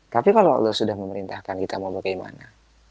tapi kalau allah sudah memerintahkan kita mau bagaimana